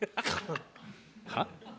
はっ？